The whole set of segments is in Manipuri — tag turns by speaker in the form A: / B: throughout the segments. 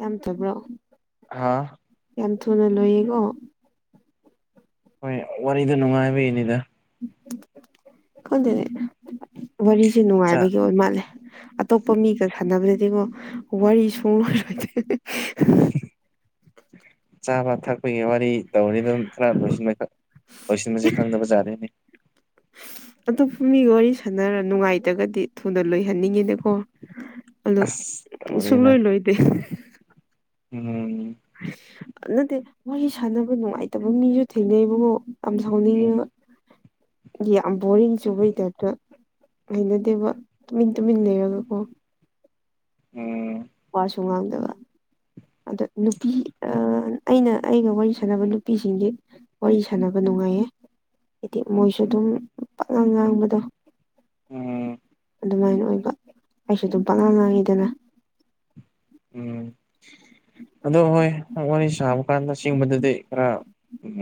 A: ꯌꯥꯝꯇꯕ꯭ꯔꯣ
B: ꯍꯥꯥ
A: ꯌꯥꯝ ꯊꯨꯅ ꯂꯣꯏꯌꯦꯀꯣ
B: ꯍꯣꯏ ꯋꯥꯔꯤꯗꯣ ꯅꯨꯡꯉꯥꯏꯕꯒꯤꯅꯤꯗ
A: ꯈꯪꯗꯦ ꯋꯥꯔꯤꯁꯦ
B: ꯆꯥꯛ
A: ꯅꯨꯡꯉꯥꯏꯕꯒꯤ ꯑꯣꯏ ꯃꯥꯜꯂꯦ ꯑꯇꯣꯞꯄ ꯃꯤꯒ ꯁꯥꯟꯅꯕꯗꯗꯤꯀꯣ ꯋꯥꯔꯤ ꯁꯨꯡꯂꯣꯏ ꯂꯣꯏꯗꯦ
B: ꯆꯥꯕ ꯊꯛꯄꯒꯤ ꯋꯥꯔꯤ ꯇꯧꯔꯤꯗꯨꯟ ꯈꯔ ꯂꯣꯏꯁꯤꯟꯕ ꯍꯦꯛꯇ ꯂꯣꯏꯁꯤꯟꯕꯁꯦ ꯈꯪꯗꯕ ꯖꯗꯦꯅꯦ
A: ꯑꯇꯣꯞꯄ ꯃꯤꯒ ꯋꯥꯔꯤ ꯁꯥꯟꯅꯔ ꯅꯨꯡꯉꯥꯏꯇ꯭ꯔꯒꯗꯤ ꯊꯨꯅ ꯂꯣꯏꯍꯟꯅꯤꯡꯉꯤꯅꯦꯀꯣ ꯑꯗꯣ
B: ꯑꯁ
A: ꯁꯨꯡꯂꯣꯏ
B: ꯇꯧꯔꯦꯅ
A: ꯂꯣꯏꯗꯦ
B: ꯎꯝ
A: ꯅꯠꯇꯦ ꯃꯣꯏꯒꯤ ꯁꯥꯟꯅꯕ ꯅꯨꯡꯉꯥꯏꯇꯕ ꯃꯤꯁꯨ ꯊꯦꯡꯅꯩ ꯏꯕꯨꯡꯉꯣ ꯌꯥꯝ ꯁꯥꯎꯅꯤꯡꯉꯦꯕ
B: ꯎꯝ
A: ꯌꯥꯝ ꯕꯣꯔꯤꯡ ꯆꯨꯕꯩ ꯇꯥꯏꯞꯇ ꯍꯩꯅꯗꯦꯕ ꯇꯨꯃꯤꯟ ꯇꯨꯃꯤꯟ ꯂꯩꯔꯒ ꯀꯣ
B: ꯎꯝ
A: ꯋꯥꯁꯨ ꯉꯥꯡꯗꯕ ꯑꯗꯣ ꯅꯨꯄꯤ ꯑꯥ ꯑꯩꯅ ꯑꯩꯒ ꯋꯥꯔꯤ ꯁꯥꯟꯅꯕ ꯅꯨꯄꯤꯁꯤꯡꯗꯨ ꯋꯥꯔꯤ ꯁꯥꯟꯅꯕ ꯅꯨꯡꯉꯥꯏꯌꯦ ꯍꯥꯏꯗꯤ ꯃꯣꯏꯁꯨ ꯑꯗꯨꯝ ꯄꯛꯉꯥꯡ ꯉꯥꯡꯕꯗꯣ
B: ꯎꯝ
A: ꯑꯗꯨꯃꯥꯏꯅ ꯑꯣꯏꯕ ꯑꯩꯁꯨ ꯑꯗꯨꯝ ꯄꯛꯉꯥꯡ ꯉꯥꯡꯉꯤꯗꯅ
B: ꯎꯝ ꯑꯗꯣ ꯍꯣꯏ ꯋꯥꯔꯤ ꯁꯥꯕ ꯀꯥꯟꯗ ꯁꯦꯡꯕꯗꯗꯤ ꯈꯔ ꯎꯝ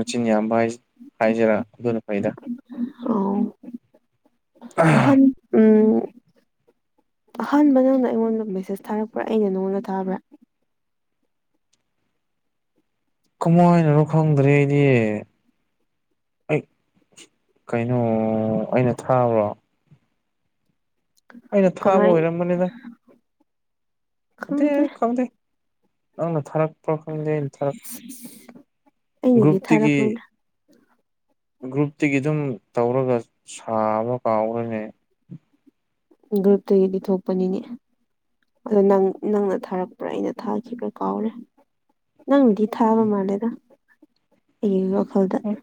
B: ꯃꯆꯤꯟ ꯌꯥꯝꯕ ꯍꯥꯏꯖꯤꯔ ꯑꯗꯨꯅ ꯐꯩꯗ
A: ꯑꯣ ꯅꯍꯟ ꯎꯝ ꯑꯍꯥꯟꯕ ꯅꯪꯅ ꯑꯩꯉꯣꯟꯗ ꯃꯦꯁꯦꯁ ꯊꯥꯔꯛꯄ꯭ꯔꯥ ꯑꯩꯅ ꯅꯉꯣꯟꯗ ꯊꯥꯕ꯭ꯔꯥ
B: ꯀꯃꯥꯏꯅꯅꯣ ꯈꯪꯗ꯭ꯔꯦ ꯑꯩꯗꯤ ꯑꯩ ꯀꯩꯅꯣ ꯑꯩꯅ ꯊꯥꯕ꯭ꯔ ꯑꯩꯅ ꯊꯥꯕ
A: ꯀꯃꯥꯏꯅ
B: ꯑꯣꯏꯔꯝꯒꯅꯤꯗ ꯈꯪꯗꯦ ꯈꯪꯗꯦ ꯅꯪꯅ ꯊꯥꯔꯛꯄ꯭ꯔ ꯈꯪꯗꯦ ꯑꯩꯅ ꯊꯥꯔꯛ
A: ꯑꯩꯅꯗꯤ ꯊꯥꯔꯛ
B: ꯒ꯭ꯔꯨꯞꯇꯒꯤ
A: ꯃꯣꯏꯗ
B: ꯒ꯭ꯔꯨꯞꯇꯒꯤ ꯑꯗꯨꯝ ꯇꯧꯔꯒ ꯁꯥꯕ ꯀꯥꯎꯔꯦꯅꯦ
A: ꯒ꯭ꯔꯨꯞꯇꯒꯤꯗꯤ ꯊꯣꯛꯄꯅꯤꯅꯦ ꯑꯗꯣ ꯅꯪ ꯅꯪꯅ ꯊꯥꯔꯛꯄ꯭ꯔꯥ ꯑꯩꯅ ꯊꯥꯈꯤꯕ꯭ꯔꯥ ꯀꯥꯎꯔꯦ ꯅꯪꯅꯗꯤ ꯊꯥꯕ ꯃꯥꯜꯂꯦꯗ ꯑꯩꯒꯤ ꯋꯥꯈꯜꯗ
B: ꯑꯣ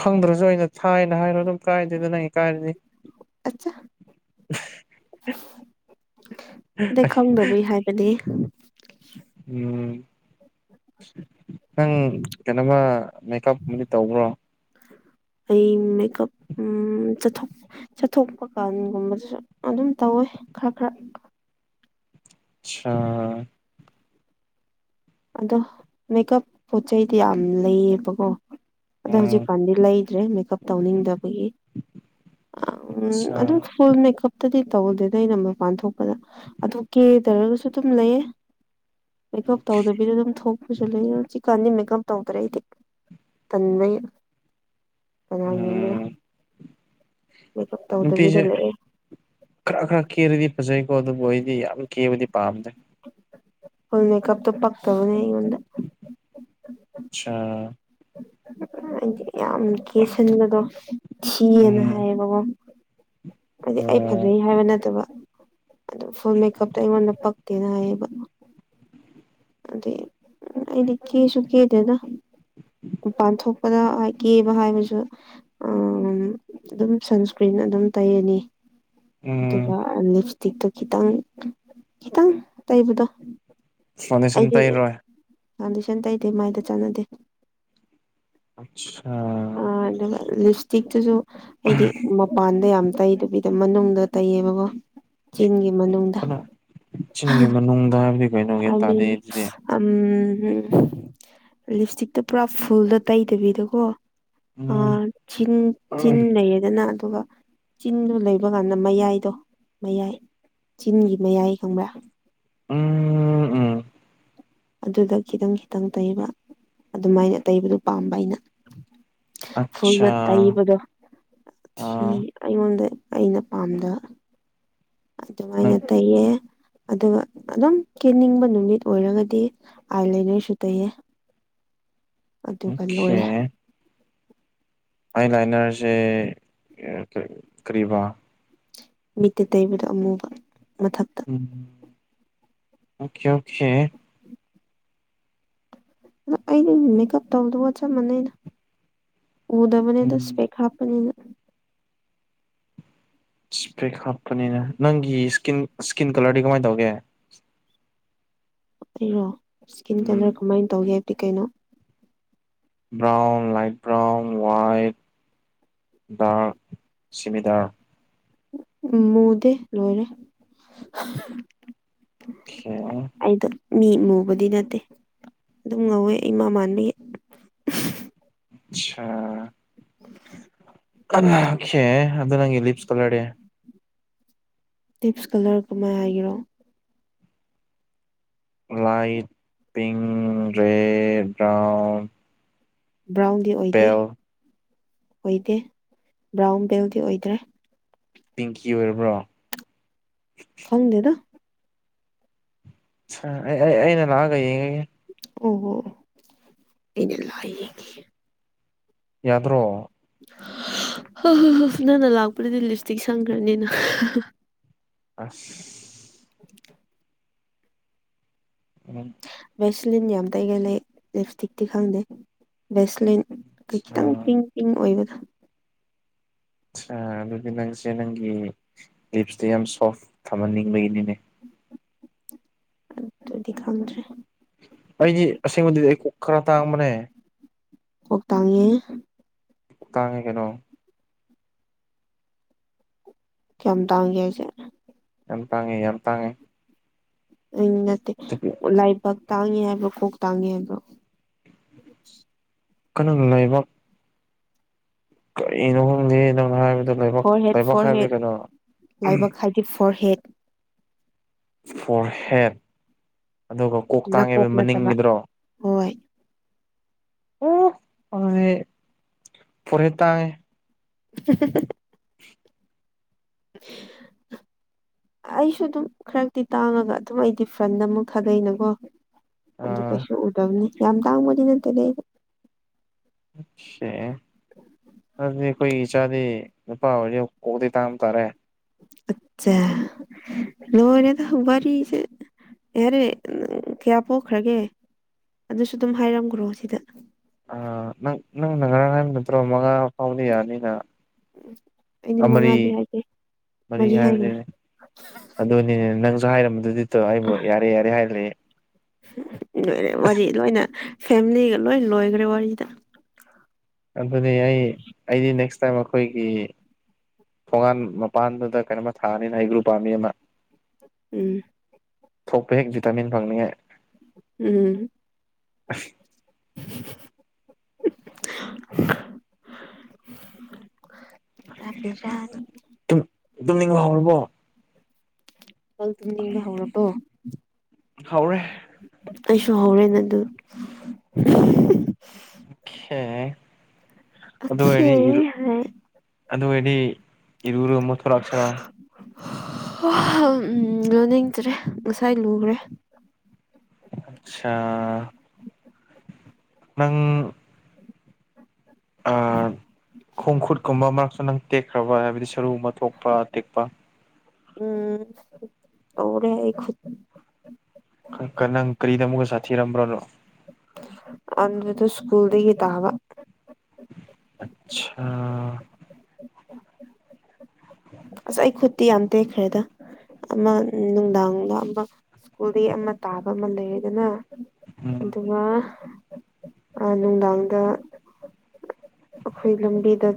B: ꯈꯪꯗ꯭ꯔꯁꯨ ꯑꯩꯅ ꯊꯥꯏꯅ ꯍꯥꯏꯔꯣ ꯑꯗꯨꯝ ꯀꯥꯏꯗꯦꯗ ꯅꯪꯅ ꯏꯀꯥꯏꯔꯗꯤ
A: ꯑꯠꯆꯥ ꯑꯗꯩ ꯈꯪꯗꯕꯩ ꯍꯥꯏꯕꯅꯦ
B: ꯎꯝ ꯅꯪ ꯀꯩꯅꯣꯃ ꯃꯦꯀꯞꯕꯨ ꯇꯧꯕ꯭ꯔꯣ
A: ꯑꯩ ꯃꯦꯀꯞ ꯎꯝ ꯆꯠꯊꯣꯛ ꯆꯠꯊꯣꯛꯄ ꯀꯥꯟꯒꯨꯝꯕꯗꯁꯨ ꯑꯗꯨꯝ ꯇꯧꯋꯦ ꯈꯔ ꯈꯔ
B: ꯁꯥ
A: ꯑꯗꯣ ꯃꯦꯀꯞ ꯄꯣꯠ ꯆꯩꯩꯗꯤ ꯌꯥꯝ ꯂꯩꯌꯦꯕꯀꯣ ꯑꯗꯣ
B: ꯎꯝ
A: ꯍꯧꯖꯤꯛꯀꯥꯟꯗꯤ ꯂꯩꯗ꯭ꯔꯦ ꯃꯦꯀꯞ ꯇꯧꯅꯤꯡꯗꯕꯒꯤ ꯑꯝ
B: ꯑꯆꯥ
A: ꯑꯗꯨ ꯐꯨꯜ ꯃꯦꯀꯞꯇꯗꯤ ꯇꯧꯗꯦꯗ ꯑꯩꯅ ꯃꯄꯥꯟ ꯊꯣꯛꯄꯗ ꯑꯗꯨ ꯀꯦꯗꯔꯒꯁꯨ ꯑꯗꯨꯝ ꯂꯩꯌꯦ ꯃꯦꯀꯞ ꯇꯧꯗꯕꯤꯗ ꯑꯗꯨꯝ ꯊꯣꯛ ꯄꯁꯨ ꯂꯩꯌꯦ ꯍꯧꯖꯤꯛꯀꯥꯟꯗꯤ ꯃꯦꯀꯄ ꯇꯧꯗꯔꯦ ꯑꯩꯗꯤ ꯇꯜ ꯂꯦꯅ ꯀꯅꯥ ꯌꯦꯡꯒꯦꯔꯣ
B: ꯎꯝ
A: ꯃꯦꯀꯞ ꯇꯧꯗꯕꯤꯗ ꯂꯩꯑꯦ
B: ꯈ꯭ꯔ ꯈ꯭ꯔ ꯀꯦꯔꯗꯤ ꯐꯖꯩꯀꯣ ꯑꯗꯨꯕꯨ ꯑꯩꯗꯤ ꯌꯥꯝ ꯀꯦꯕꯗꯤ ꯄꯥꯝꯗꯦ
A: ꯐꯨꯜ ꯃꯦꯀꯞꯇꯣ ꯄꯛꯇꯕꯅꯦ ꯑꯩꯉꯣꯟꯗ
B: ꯑꯠꯁꯥ
A: ꯑꯩꯗꯤ ꯌꯥꯝ ꯀꯦꯁꯤꯟꯕꯗꯣ ꯊꯤꯌꯦꯅ
B: ꯎꯝ
A: ꯍꯥꯏꯌꯦꯕꯀꯣ
B: [inaudible]
A: ꯍꯥꯏꯗꯤ ꯑꯩ
B: ꯑꯣ
A: ꯐꯖꯩ ꯍꯥꯏꯕ ꯅꯠꯇꯕ ꯑꯗꯣ ꯐꯨꯜ ꯃꯦꯀꯞꯇꯣ ꯑꯩꯉꯣꯟꯗ ꯄꯛꯇꯦꯅ ꯍꯥꯏꯌꯦꯕ ꯑꯗꯨꯏ ꯑꯝ ꯑꯩꯗꯤ ꯀꯦꯁꯨꯨ ꯀꯦꯗꯦꯗ ꯄꯥꯟ ꯊꯣꯛꯄꯗ ꯀꯦꯕ ꯍꯥꯏꯕꯁꯨ ꯑꯝ ꯑꯗꯨꯝ ꯁꯟꯁꯀ꯭ꯔꯤꯟ ꯑꯗꯨꯝ ꯇꯩꯔꯅꯤ
B: ꯎꯝ
A: ꯑꯗꯨꯒ ꯂꯤꯞꯁꯇꯤꯛꯇꯣ ꯈꯤꯇꯪ ꯈꯤꯇꯪ ꯇꯩꯕꯗꯣ
B: ꯐꯥꯎꯟꯗꯦꯁꯟ
A: ꯑꯩꯗꯤ
B: ꯇꯩꯔꯣꯏ
A: ꯐꯥꯎꯟꯗꯦꯁꯟ ꯇꯩꯗꯦ ꯃꯥꯏꯗ ꯆꯥꯟꯅꯗꯦ
B: ꯑꯆꯁꯥꯥ
A: ꯑꯥ ꯑꯗꯨꯒ ꯂꯤꯞꯁꯇꯤꯛ ꯇꯨꯁꯨ ꯑꯩꯗꯤ ꯃꯄꯥꯟꯗ ꯌꯥꯝ ꯇꯩꯗꯕꯤꯗ ꯃꯅꯨꯡꯗ ꯇꯩꯌꯦꯕꯀꯣ ꯆꯤꯟꯒꯤ ꯃꯅꯨꯡꯗ ꯍꯥ
B: ꯅꯨꯡꯗ ꯍꯥꯏꯕꯗꯤ ꯀꯩꯅꯣꯒꯤ
A: [unintelligible] ꯎꯝ ꯎꯝ ꯂꯤꯞꯁꯇꯤꯛꯇꯣ ꯄꯨꯔꯥ ꯐꯨꯜꯗ ꯇꯩꯗꯕꯤꯗꯀꯣ
B: ꯎꯝ
A: ꯑꯥ ꯆꯤꯟ ꯆꯤꯟ ꯂꯩꯔꯦꯗꯅ ꯑꯗꯨꯒ ꯆꯤꯟꯗꯨ ꯂꯩꯕ ꯀꯥꯟꯗ ꯃꯌꯥꯏꯗꯣ ꯃꯌꯥꯏ ꯆꯤꯟꯒꯤ ꯃꯌꯥꯏ ꯈꯪꯕ꯭ꯔꯥ
B: ꯎꯝ ꯎꯝ
A: ꯑꯗꯨꯗ ꯈꯤꯇꯪ ꯈꯤꯇꯪ ꯇꯩꯕ ꯑꯗꯨꯃꯥꯏꯅ ꯇꯩꯕꯗꯨ ꯄꯥꯝꯕ ꯑꯩꯅ ꯐꯨꯜꯒ
B: ꯑꯠꯆꯥ
A: ꯇꯩꯕꯗꯣ ꯊꯤ
B: ꯑꯥ
A: ꯑꯩꯉꯣꯟꯗ ꯑꯩꯅ ꯄꯥꯝꯗ
B: ꯅꯪ
A: ꯑꯗꯨꯃꯥꯏꯅ ꯇꯩꯌꯦ ꯑꯗꯨꯒ ꯑꯗꯨꯝ ꯀꯦꯅꯤꯡꯕ ꯅꯨꯃꯤꯠ ꯑꯣꯏꯔꯒꯗꯤ ꯑꯥꯏ ꯂꯥꯏꯅꯔꯁꯨ ꯇꯩꯌꯦ ꯑꯗꯨꯒ
B: ꯑꯣꯀꯦ
A: ꯂꯣꯏꯔꯦ
B: ꯑꯥꯏ ꯂꯥꯏꯅꯔꯁꯦ ꯀꯔꯤꯕ
A: ꯃꯤꯠꯇ ꯇꯩꯕꯗꯨ ꯑꯃꯨꯕ ꯃꯊꯛ
B: ꯑꯣꯀꯦ ꯑꯣꯀꯦ
A: ꯑꯩꯩꯗꯤ ꯃꯦꯀꯞ ꯇꯧꯗꯕꯒ ꯆꯞ ꯃꯥꯟꯅꯩꯩꯗ ꯎꯗꯕꯅꯤꯗ
B: ꯎꯝ
A: ꯏꯁꯄꯦꯛ ꯍꯥꯞꯄꯅꯤꯅ
B: ꯏꯁꯄꯦꯛ ꯍꯥꯞꯄꯅꯤꯅ ꯅꯪꯒꯤ ꯏꯁꯀꯤꯟ ꯏꯁꯀꯤꯟ ꯀꯂꯔꯗꯤ ꯀꯃꯥꯏꯅ ꯇꯧꯒꯦ
A: ꯑꯩꯔꯣ ꯏꯁꯀꯤꯟ ꯀꯂꯔ
B: ꯎꯝ
A: ꯀꯃꯥꯏꯅ ꯇꯧꯒꯦ ꯍꯥꯏꯕꯗꯤ ꯀꯩꯅꯣ
B: brown light brown white dark ꯁꯤꯃꯤꯗꯥꯔꯛ
A: ꯃꯨꯗꯦ ꯂꯣꯏꯔꯦ [unintelligible]
B: ꯈꯦ
A: ꯑꯩꯗꯣ ꯃꯤ ꯃꯨꯕꯗꯤ ꯅꯠꯇꯦ ꯑꯗꯨꯝ ꯉꯧꯋꯦ ꯏꯃꯥ ꯃꯥꯟꯕꯒꯤ
B: ꯑꯁꯁꯥ [unintelligible] ꯈꯦ ꯑꯗꯨ ꯅꯪꯒꯤ ꯂꯤꯞꯁ ꯀꯂꯔꯗꯤ
A: ꯇꯤꯞꯁ ꯀꯂꯔ ꯀꯃꯥꯏ ꯍꯥꯏꯒꯦꯔꯣ
B: ꯂꯥꯏꯠ ꯄꯤꯡ ꯔꯦꯠ ꯕ꯭ꯔꯥꯎꯟ
A: ꯕ꯭ꯔꯥꯎꯟꯗꯤ ꯑꯣꯏꯗꯦ
B: ꯄꯦꯜ
A: ꯑꯣꯏꯗꯦ ꯕ꯭ꯔꯥꯎꯟ ꯕꯦꯜꯗꯤ ꯑꯣꯏꯗ꯭ꯔꯦ
B: ꯄꯤꯡꯀꯤ ꯑꯣꯏꯕ꯭ꯔꯣ
A: ꯈꯪꯗꯦꯗ
B: ꯑꯩ ꯑꯩ ꯑꯩꯅ ꯂꯥꯛꯑꯒ ꯌꯦꯡꯉꯒꯦ
A: ꯑꯣ ꯑꯣ ꯑꯣ ꯑꯩꯅ ꯂꯛꯑꯥ ꯌꯦꯡ...
B: ꯌꯥꯗ꯭ꯔꯣ
A: ꯍ ꯍꯣ ꯍꯣ ꯅꯪꯅ ꯂꯥꯛꯄꯗꯗꯤ ꯂꯤꯞꯁꯇꯤꯛ ꯁꯪꯒ꯭ꯔꯅꯤꯅ
B: ꯑꯁ [inaudible]
A: ꯚꯦꯁꯂꯤꯟ ꯌꯥꯝ ꯇꯩꯒꯜꯂꯦ ꯂꯤꯞꯁꯇꯤꯛꯇꯤ ꯈꯪꯗꯦ ꯚꯦꯁꯂꯤꯟ
B: ꯑ
A: ꯈꯤꯇꯪ ꯄꯤꯡ
B: ꯑꯠꯆꯥ
A: ꯄꯤꯡ ꯑꯣꯏꯕꯗꯣ
B: ꯑꯆꯥ ꯑꯗꯨꯗꯤ ꯅꯪꯁꯦ ꯅꯪꯒꯤ ꯂꯤꯞꯁꯇꯣ ꯌꯥꯝ ꯁꯣꯐ ꯊꯝꯍꯟꯅꯤꯡꯕꯒꯤꯅꯤꯅꯦ
A: ꯑꯗꯨꯗꯤ ꯈꯪꯗ꯭ꯔꯦ
B: ꯑꯩꯗꯤ ꯑꯁꯦꯡꯕꯗꯤꯗꯤ ꯀꯣꯛ ꯈꯔ ꯇꯥꯡꯕꯅꯦ
A: ꯀꯣꯛ ꯇꯥꯡꯉꯦ
B: ꯇꯥꯡꯉꯦ ꯀꯩꯅꯣ
A: ꯀꯌꯥꯝ ꯇꯥꯡꯒꯦ ꯍꯥꯏꯁꯦ
B: ꯌꯥꯝ ꯇꯥꯡꯉꯦ ꯌꯥꯝ ꯇꯥꯡꯉꯦ
A: ꯎꯝ ꯅꯠꯇꯦ ꯂꯥꯏꯕꯛ ꯇꯥꯡꯉꯦ ꯍꯥꯏꯕꯣ ꯀꯣꯛ ꯇꯥꯡꯉꯦ ꯍꯥꯏꯕ꯭ꯔꯣ
B: ꯀꯟꯅꯅꯥ ꯂꯥꯏꯕꯥꯛ ꯀꯔꯤꯅꯣ ꯈꯪꯗꯦ ꯅꯪꯅꯣ ꯍꯥꯏꯕꯗ ꯂꯥꯏꯕꯛ
A: ꯐꯣꯔ ꯍꯦꯠ
B: ꯂꯥꯏꯕꯛ ꯍꯥꯏꯕꯗꯤ ꯀꯩꯅꯣ
A: ꯍꯞ ꯐꯣꯔ ꯍꯦꯠ
B: ꯐꯣꯔ ꯍꯦꯠ ꯑꯗꯨꯒ ꯀꯣꯛꯇꯥꯡꯉꯦ
A: ꯅꯀꯣꯛ
B: ꯍꯥꯏꯕ
A: ꯅꯠꯇꯕ
B: ꯃꯅꯤꯡꯒꯤꯗ꯭ꯔꯣ
A: ꯍꯣꯏ
B: ꯑꯣ ꯍꯣꯏ ꯐꯣꯔꯍꯦꯠ ꯇꯥꯏ
A: [unintelligible]
B: [inaudible]
A: [inaudible] ꯑꯩꯁꯨ ꯑꯗꯨꯝ ꯈꯔꯛꯇꯤ ꯇꯥꯡꯉꯒ ꯑꯗꯨꯝ ꯑꯩꯗꯤ ꯐ꯭ꯔꯟꯗ ꯑꯃꯨꯛ ꯊꯥꯗꯩ ꯅꯀꯣ
B: ꯑ
A: ꯑꯗꯨ ꯀꯩꯁꯨ ꯎꯗꯝꯅꯤ ꯌꯥꯝ ꯇꯥꯡꯕꯗꯤ ꯅꯠꯇꯦ ꯑꯩ
B: ꯁꯦ ꯑꯗꯨꯗꯤ ꯑꯩꯈꯣꯏ ꯏꯆꯥꯗꯤ ꯅꯨꯄꯥ ꯑꯣꯏꯔꯗꯤ ꯀꯣꯛꯇꯤ ꯇꯥꯡ ꯇꯥꯔꯦ
A: ꯑꯆꯥ ꯂꯣꯏꯔꯦꯗ ꯋꯥꯔꯤꯁꯦ ꯌꯥꯔꯦ ꯀꯌꯥ ꯄꯣꯛꯈ꯭ꯔꯒꯦ ꯑꯗꯨꯁꯨ ꯑꯗꯨꯝ ꯍꯥꯏꯔꯝꯒ꯭ꯔꯣ ꯁꯤꯗ
B: ꯑ ꯅꯪ ꯅꯪꯅ ꯉꯔꯥꯡ ꯍꯥꯏꯕ ꯅꯠꯇ꯭ꯔꯣ ꯃꯉꯥ ꯐꯥꯎꯕꯗꯤ ꯌꯥꯅꯤꯅ
A: ꯑꯩꯗꯤ
B: ꯑꯥ
A: ꯃꯉꯥꯗꯤ
B: ꯃꯔꯤ
A: ꯍꯥꯏꯗꯦ ꯃꯔꯤ ꯍꯥꯏꯒ꯭ꯔꯦ
B: ꯑꯗꯨꯅꯤꯅꯦ ꯅꯪꯁꯨ ꯍꯥꯏꯔꯝꯕꯗꯨꯗꯤꯇꯣ ꯑꯩꯕꯨ ꯌꯥꯔꯦ ꯌꯥꯔꯦ ꯍꯥꯏꯂꯦ
A: ꯂꯣꯏꯔꯦ ꯋꯥꯔꯤ ꯂꯣꯏꯅ ꯐꯦꯃꯤꯂꯤꯒ ꯂꯣꯏ ꯂꯣꯏꯒ꯭ꯔꯦ ꯋꯥꯔꯤꯗ
B: ꯑꯗꯨꯅꯤ ꯑꯩ ꯑꯩꯗꯤ ꯅꯦꯛꯁ ꯇꯥꯏꯝ ꯑꯩꯈꯣꯏꯒꯤ ꯇꯣꯉꯥꯟ ꯃꯄꯥꯟꯗꯨꯗ ꯀꯩꯅꯣꯝꯃ ꯊꯥꯔꯅꯤꯅ ꯍꯩꯒꯔꯨ ꯄꯥꯝꯕꯤ ꯑꯃ
A: ꯎꯝ
B: ꯊꯣꯛꯄ ꯍꯦꯛ ꯚꯤꯇꯥꯃꯤꯟ ꯐꯪꯅꯤꯡꯉꯥꯏ
A: ꯎꯝ
B: ꯑꯁ
A: [inaudible] ꯅꯠꯇꯦ
B: ꯇꯨꯝ ꯇꯨꯝꯅꯤꯡꯕ ꯍꯧꯔꯕꯣ
A: ꯅꯪ ꯇꯨꯝꯅꯤꯡꯕ ꯍꯧꯔꯕꯣ
B: ꯍꯧꯔꯦ
A: ꯑꯩꯁꯨ ꯍꯧꯔꯦꯅ ꯑꯗꯨ
B: ꯀꯦ
A: ꯑꯣꯈꯦ
B: ꯑꯗꯨꯑꯣꯏꯔꯗꯤ ꯏꯔꯨ ꯑꯗꯨ
A: ꯍꯥꯏ
B: ꯑꯗꯨꯑꯣꯏꯔꯗꯤ ꯏꯔꯨꯔ ꯑꯃꯨꯛ ꯊꯣꯛꯂꯛꯁꯤꯔꯣ
A: ꯎꯝ ꯂꯨꯅꯤꯡꯗ꯭ꯔꯦ ꯉꯁꯥꯏ ꯂꯨꯒ꯭ꯔꯦ
B: ꯑꯆꯥ ꯅꯪ ꯈꯣꯡ ꯈꯨꯨꯠ ꯀꯨꯝꯕ ꯃꯔꯛꯁꯨ ꯅꯪ ꯇꯦꯛꯈ꯭ꯔꯕ ꯍꯥꯏꯕꯗꯤ ꯁꯔꯨ ꯒꯨꯝꯕ ꯊꯣꯛꯄ ꯇꯦꯛꯄ
A: ꯎꯝ ꯇꯧꯔꯦ ꯑꯩ ꯈꯨꯠ
B: ꯅꯪ ꯀꯔꯤꯗ ꯑꯃꯨꯛꯀ ꯁꯥꯊꯤꯔꯝꯕ꯭ꯔꯣ
A: ꯑꯗꯨꯗ ꯁꯀꯨꯜꯗꯒꯤ ꯇꯥꯕ
B: ꯑꯆꯥ ꯎꯝ
A: ꯑꯁ ꯑꯩ ꯈꯨꯠꯇꯤ ꯌꯥꯝ ꯇꯦꯛꯈ꯭ꯔꯦꯗ ꯑꯃ ꯅꯨꯡꯗꯥꯡꯗ ꯑꯃ ꯁ꯭ꯀꯨꯜꯗꯒꯤ ꯑꯃ ꯇꯥꯕ ꯑꯃ ꯂꯩꯗꯅ
B: ꯎꯝ
A: ꯑꯗꯨꯒ ꯅꯨꯡꯗꯥꯡꯗ ꯑꯩꯈꯣꯏ ꯂꯝꯕꯤꯗ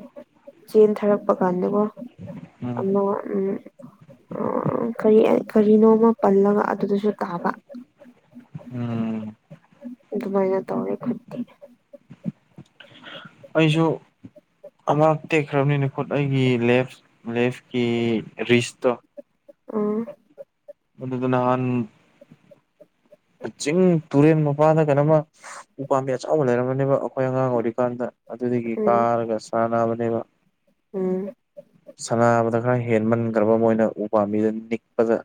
A: ꯆꯦꯟ ꯊꯔꯛꯄ ꯀꯥꯟꯗꯀꯣ
B: ꯎꯝ
A: ꯑꯃ ꯎꯝ ꯀꯔꯤ ꯀꯔꯤꯅꯣꯃ ꯄꯜꯂꯒ ꯑꯗꯨꯗꯁꯨ ꯇꯥꯕ
B: ꯎꯝ
A: ꯑꯗꯨꯃꯥꯏꯅ ꯇꯧꯔꯦ ꯈꯨꯠꯇꯤ
B: ꯑꯩꯁꯨ ꯑꯃꯔꯛ ꯇꯦꯛꯈ꯭ꯔꯝꯅꯤꯅꯦ ꯈꯨꯠ ꯑꯩꯒꯤ ꯂꯦꯐ ꯂꯦꯐꯀꯤ ꯔꯤꯁꯇꯣ
A: ꯎꯝ
B: ꯑꯗꯨꯗꯣ ꯅꯍꯥꯟ ꯆꯤꯡ ꯇꯨꯔꯦꯟ ꯃꯄꯥꯟꯗ ꯀꯅꯣꯃ ꯎꯄꯥꯝꯕꯤ ꯑꯆꯧꯕ ꯂꯩꯔꯝꯕꯅꯦꯕ ꯑꯈꯣꯏ ꯑꯉꯥꯡ ꯑꯣꯏꯔꯤꯀꯥꯟꯗ ꯑꯗꯨꯗꯒꯤ
A: ꯎꯝ
B: ꯀꯥꯔꯒ ꯁꯥꯟꯅꯕꯅꯦꯕ
A: ꯎꯝ
B: ꯁꯟꯅꯥꯕꯗ ꯈꯔ ꯍꯦꯟꯃꯟꯒ꯭ꯔꯕ ꯃꯣꯏꯅ ꯎ ꯄꯥꯝꯕꯤꯗ ꯅꯤꯛꯄꯗ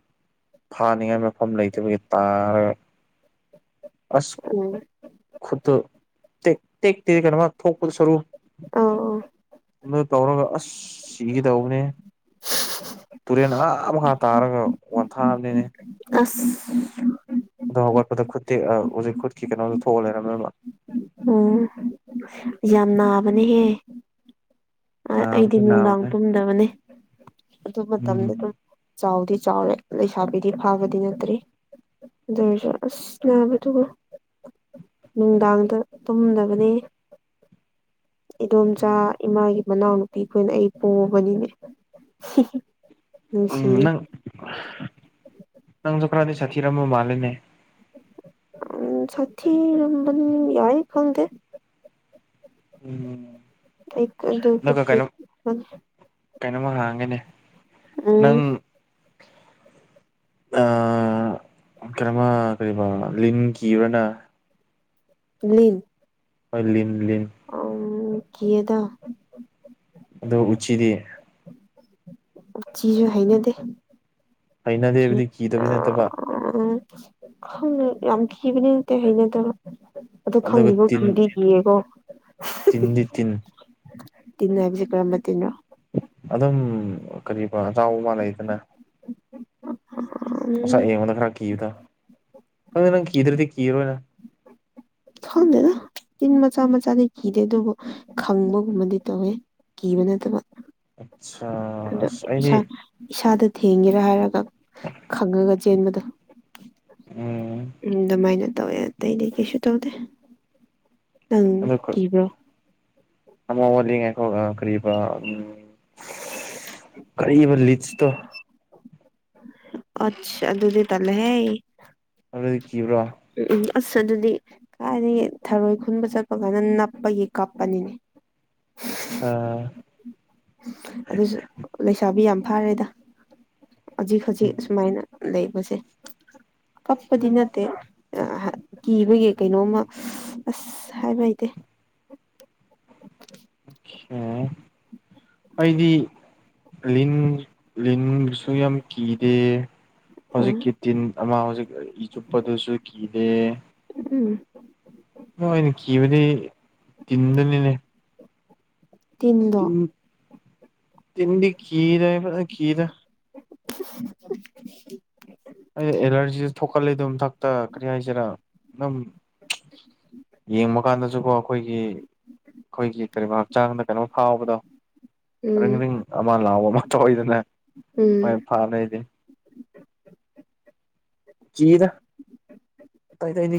B: ꯐꯥꯅꯤꯡꯉꯥꯏ ꯃꯐꯝ ꯂꯩꯇꯕꯒꯤ ꯇꯥꯔꯒ ꯑꯁ
A: ꯎꯝ ꯑꯧ
B: ꯈꯨꯠꯇꯣ ꯇꯦꯛ ꯇꯦꯛꯇꯦ ꯀꯩꯅꯣꯃ ꯊꯣꯛꯄꯗꯣ ꯁꯔꯨ
A: ꯑꯥ ꯑꯣ
B: ꯑꯗꯨ ꯇꯧꯔꯒ ꯑꯁ ꯁꯤꯒꯦꯗꯧꯕꯅꯦ ꯇꯨꯔꯦꯟ ꯑꯥꯥ ꯃꯈꯥ ꯇꯥꯔꯒ ꯋꯥꯟꯊꯥꯕꯅꯤꯅꯦ
A: ꯑꯁ
B: ꯑꯗꯣ ꯍꯧꯒꯠꯄꯗ ꯈꯨꯠꯇꯦꯛꯑ ꯍꯧꯖꯤꯛ ꯈꯨꯠꯀꯤ ꯀꯩꯅꯣꯗꯣ ꯊꯣꯛꯑ ꯂꯩꯔꯝꯃꯦꯕ
A: ꯎꯝ ꯌꯥꯝ ꯅꯥꯕꯅꯦꯍꯦ ꯑ ꯑꯩꯗꯤ
B: ꯅꯥꯕꯗꯤ
A: ꯅꯨꯡꯗꯥꯡ
B: ꯅꯥꯕꯅꯦ
A: ꯇꯨꯝꯗꯕꯅꯦ ꯑꯗꯨ ꯃꯇꯝꯗ ꯑꯗꯨꯝ
B: ꯎꯝ
A: ꯆꯥꯎꯗꯤ ꯆꯥꯎꯔꯦ ꯂꯩꯁꯥꯕꯤꯗꯤ ꯐꯥꯕꯗꯤ ꯅꯠꯇ꯭ꯔꯤ ꯑꯗꯨꯑꯣꯏꯔꯁꯨ ꯑꯁ ꯅꯥꯕꯗꯨꯕꯨ ꯅꯨꯡꯗꯥꯡꯗ ꯇꯨꯝꯗꯕꯅꯦ ꯏꯗꯣꯝꯆꯥ ꯏꯃꯥꯒꯤ ꯃꯅꯥꯎꯅꯨꯄꯤꯈꯣꯏꯅ ꯑꯩ ꯄꯣꯕꯅꯤꯅꯦ
B: ꯎꯝ
A: ꯅꯨꯡꯁꯤꯌꯦ
B: ꯅꯪ ꯅꯪꯖꯨ ꯈꯔꯗꯤ ꯁꯥꯊꯤꯔꯝꯕ ꯃꯥꯜꯂꯦꯅꯦ
A: ꯎꯝ ꯁꯊꯤꯔꯝꯕꯅꯤ ꯌꯥꯏ ꯈꯪꯗꯦ
B: [unintelligible] ꯑꯗꯨꯒ ꯀꯩꯅꯣ
A: [unintelligible]
B: ꯀꯩꯅꯣꯝꯃ ꯍꯥꯡꯒꯦꯅꯦ
A: ꯎꯝ
B: ꯅꯪ ꯑꯥ ꯀꯩꯅꯣꯝꯃ ꯀꯩꯔꯤꯕ ꯂꯤꯟ ꯀꯤꯕ꯭ꯔ ꯅꯪ
A: ꯂꯤꯟ
B: ꯍꯣꯏ ꯂꯤꯟ ꯂꯤꯟ
A: ꯑꯣꯝ ꯀꯤꯌꯦꯗ
B: ꯑꯗꯣ ꯎꯆꯤꯗꯤ
A: ꯎꯆꯤꯖꯨ ꯍꯩꯅꯗꯦ ꯀꯤ
B: ꯍꯩꯅꯗꯦꯕꯗꯤ ꯀꯤꯗꯕꯗꯤ ꯅꯠꯇꯕ
A: ꯎꯝ ꯈꯪꯗꯦ ꯌꯥꯝ ꯈꯤꯕꯅꯤ ꯅꯠꯇꯦ ꯍꯩꯅꯗꯕ ꯑꯗꯣ
B: ꯑꯗꯨꯒ
A: ꯈꯪꯗꯦꯉꯣ
B: ꯇꯤꯟ
A: ꯀꯤꯗꯤ ꯀꯤꯌꯦꯀꯣ
B: [unintelligible] ꯇꯤꯟ
A: ꯇꯤꯟ ꯍꯥꯏꯕꯁꯤ ꯀꯔꯝꯕ ꯇꯤꯅꯣ
B: ꯑꯗꯨꯝ ꯀꯔꯤꯕ ꯑꯆꯧꯕ ꯑꯃ ꯂꯩꯗꯅ
A: [unintelligible]
B: ꯃꯁꯛ ꯌꯦꯡꯕꯗ ꯈꯔ ꯀꯤꯕꯗꯣ ꯈꯪꯗꯦ ꯅꯪ ꯀꯤꯗ꯭ꯔꯗꯤ ꯀꯤꯔꯔꯣꯏꯗ
A: ꯈꯪꯗꯦꯗ ꯇꯤꯟ ꯃꯆꯥ ꯃꯆꯥꯗꯤ ꯀꯤꯗꯦ ꯑꯗꯨꯕꯨ ꯈꯪꯕꯒꯨꯝꯕꯗꯤ ꯇꯧꯋꯦ ꯀꯤꯕ ꯅꯠꯇꯕ
B: ꯑꯠꯁꯥ
A: ꯑꯗꯣ ꯏꯁꯥ ꯏꯁꯥꯗ ꯊꯦꯡꯒꯦꯔꯥ ꯍꯥꯏꯔꯒ ꯈꯪꯉꯒ ꯆꯦꯟꯕꯗꯣ
B: ꯎꯝ
A: ꯎꯝ ꯑꯗꯨꯃꯥꯏꯅ ꯇꯧꯋꯦ ꯑꯇꯩꯗꯤ ꯀꯩꯁꯨ ꯇꯧꯗꯦ ꯅꯪ
B: ꯑꯗꯨ
A: ꯀꯤꯕ꯭ꯔꯣ
B: ꯑꯃ ꯋꯥꯠꯂꯤ ꯉꯥꯏꯈꯣ ꯑ ꯀꯔꯤꯕ ꯎꯝ ꯀꯔꯤꯕ ꯂꯤꯠꯁꯇꯣ
A: ꯑꯠꯆꯥ ꯑꯗꯨꯗꯤ ꯇꯂꯦ ꯍꯦ
B: ꯑꯗꯨꯣꯗꯤ ꯈꯤꯕ꯭ꯔꯣ
A: ꯎꯝ ꯎꯝ ꯑꯁ ꯑꯗꯨꯗꯤ ꯀꯥꯏꯗꯒꯤ ꯊꯔꯣꯏ ꯈꯨꯟꯕ ꯆꯠꯄ ꯀꯥꯟꯗ ꯅꯞꯄꯒꯤ ꯀꯥꯞꯄꯅꯤꯅꯦ
B: ꯑꯁꯥ
A: ꯑꯗꯨꯁꯨ ꯂꯩꯁꯥꯕꯤ ꯌꯥꯝ ꯐꯥꯔꯦꯗ ꯍꯧꯖꯤꯛ ꯈꯖꯤꯛ ꯁꯨꯃꯥꯏꯅ ꯂꯩꯕꯁꯦ ꯀꯞꯄꯗꯤ ꯅꯠꯇꯦ ꯀꯤꯕꯒꯤ ꯀꯩꯅꯣꯝꯃ ꯑꯁ ꯍꯥꯏꯕ ꯍꯩꯇꯦ
B: ꯎꯡ ꯑꯩꯗꯤ ꯂꯤꯟ ꯂꯤꯟꯁꯨ ꯌꯥꯝ ꯀꯤꯗꯦ
A: ꯎꯝ
B: ꯍꯧꯖꯤꯛꯀꯤ ꯇꯤꯟ ꯑꯃ ꯍꯧꯖꯤꯛ ꯏ ꯆꯨꯞꯄꯗꯨꯁꯨ ꯀꯤꯗꯦ
A: ꯎꯝ
B: ꯅꯣꯏꯅ ꯀꯤꯕꯗꯤ ꯇꯤꯟꯗꯨꯅꯤꯅꯦ
A: ꯇꯤꯟꯗꯣ
B: ꯇꯤꯟ ꯇꯤꯟꯗꯤ ꯀꯤꯔꯦ ꯀꯤꯗ
A: [unintelligible]
B: ꯑꯩ ꯑꯦꯂꯔꯖꯤ ꯊꯣꯛ ꯆꯥꯎꯈꯠꯂꯤ ꯃꯊꯛꯇꯥ ꯀꯥꯔꯤ ꯍꯥꯏꯁꯤꯔꯥ ꯑꯗꯨꯝ ꯊꯛꯇ ꯀꯔꯤ ꯍꯥꯏꯁꯤꯔꯥ ꯑꯗꯨꯝ ꯌꯦꯡꯕ ꯀꯥꯟꯗꯁꯨꯀꯣ ꯑꯩꯈꯣꯏꯒꯤ ꯑꯩꯈꯣꯏꯒꯤ ꯀꯔꯤꯕꯥ ꯍꯛꯆꯥꯡꯗ ꯀꯩꯅꯣꯝ ꯐꯥꯎꯕꯗꯣ ꯑꯔꯤꯡ
A: ꯎꯝ
B: ꯑꯔꯤꯡ ꯑꯃꯥ ꯂꯥꯎꯕ ꯑꯃ ꯊꯣꯛꯏꯗꯅ
A: ꯎꯝ
B: ꯐꯅ ꯏꯗꯤ ꯆꯤꯗ ꯑꯩꯗꯤ ꯑꯩ